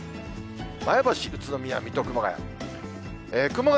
前橋、宇都宮、水戸、熊谷。